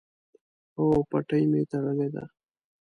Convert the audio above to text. هو، پټۍ می تړلې ده